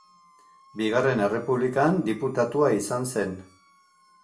Bigarren Errepublikan diputatua izan zen.